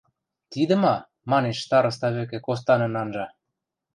– Тидӹ ма? – манеш, староста вӹкӹ костанын анжа.